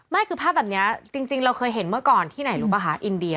ไม่คือภาพแบบนี้จริงเราเคยเห็นเมื่อก่อนที่ไหนรู้ป่ะคะอินเดีย